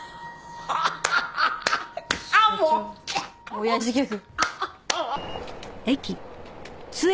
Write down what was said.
おやじギャグ。